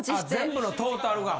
全部のトータルが。